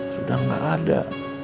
sudah gak ada